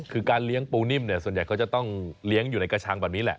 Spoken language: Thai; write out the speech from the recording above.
คือการเลี้ยงปูนิ่มเนี่ยส่วนใหญ่เขาจะต้องเลี้ยงอยู่ในกระชังแบบนี้แหละ